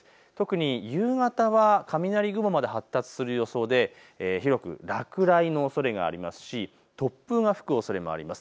特に夕方は雷雲まで発達する予想で広く落雷のおそれがありますし突風が吹くおそれもあります。